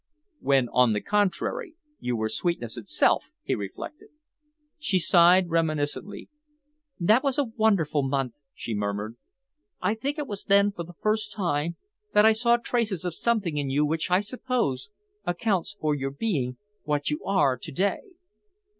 "When, on the contrary, you were sweetness itself," he reflected. She sighed reminiscently. "That was a wonderful month," she murmured. "I think it was then for the first time that I saw traces of something in you which I suppose accounts for your being what you are to day."